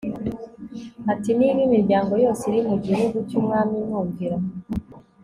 ati niba imiryango yose iri mu gihugu cy'umwami imwumvira